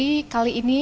kita sudah meluncurkan